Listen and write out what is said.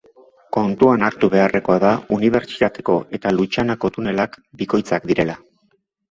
Kontuan hartu beharrekoa da Unibertsitateko eta Lutxanako tunelak bikoitzak direla.